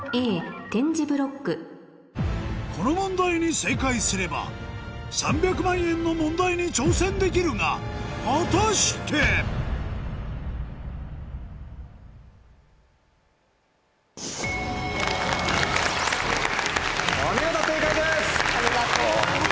この問題に正解すれば３００万円の問題に挑戦できるが果たして⁉お見事正解です！